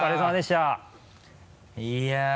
いや。